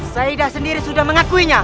saidah sendiri sudah mengakuinya